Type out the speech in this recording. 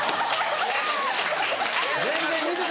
全然見てた。